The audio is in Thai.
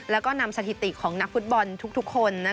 แล้วก็นำสถิติของนักฟุตบอลทุกคน